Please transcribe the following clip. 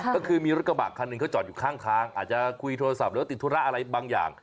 ก็คือมีรถกระบาดคันหนึ่งก็จอดอยู่ข้างาวอาจจะคุยโพรธาสตร์หรือติดทุระอะไรบางอย่าง